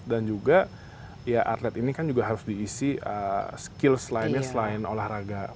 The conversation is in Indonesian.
dan juga atlet ini kan juga harus diisi skill selainnya selain olahraga